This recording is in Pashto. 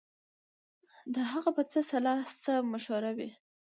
د هغه به څه سلا څه مشوره وي